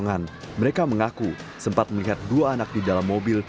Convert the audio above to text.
setelah minta pertolongan mereka mengaku sempat melihat dua anak di dalam mobil